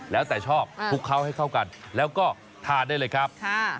แล้วแต่ชอบคลุกเคล้าให้เข้ากันแล้วก็ทานได้เลยครับ